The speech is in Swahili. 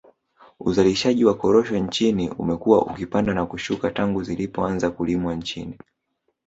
Uzalishaji wa korosho nchini umekuwa ukipanda na kushuka tangu zilipoanza kulimwa nchini